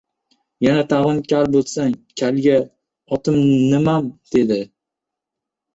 Yana tag‘in kal bo‘lsang, kalga otim nimam, dedi.